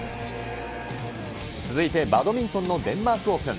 続いてバドミントンのデンマークオープン。